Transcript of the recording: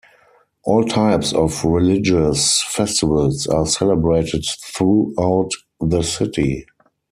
All types of religious festivals are celebrated throughout the city.